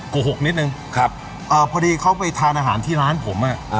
โกหกนิดนึงครับเอ่อพอดีเขาไปทานอาหารที่ร้านผมอ่ะ